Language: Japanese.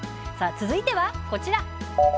続いてはこちら。